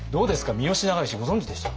三好長慶ご存じでした？